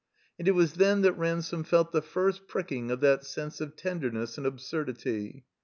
And it was then that Ransome felt the first pricking of that sense of tenderness and absurdity.